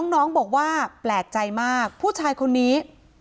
น้องบอกว่าแปลกใจมากผู้ชายคนนี้